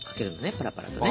パラパラとね。